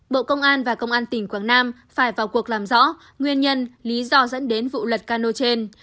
bộ công an và công an tỉnh quảng nam phải vào cuộc làm rõ nguyên nhân lý do dẫn đến vụ lật cano trên